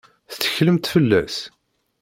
Tetteklemt fell-as?